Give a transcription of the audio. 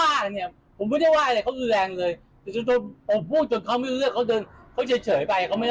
หายไปไหนอู่งานเหรอไม่อยู่ในที่ทำงานหายไปไหน